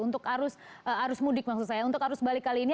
untuk arus mudik maksud saya untuk arus balik kali ini